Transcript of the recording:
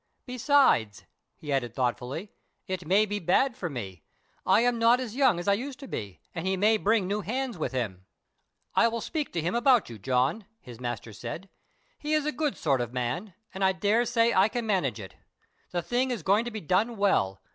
Besides," he added thoughtfully, "it may be bad for me; I am not as young as I used to be, and he may bring new hands with him." "I will speak to him about you, John," his master said; "he is a good sort of man, and I daresay I can manage it. The thing is going to be done well.